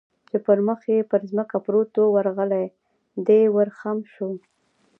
چې پر مخ پر ځمکه پروت و، ورغلی، دی ور خم شو.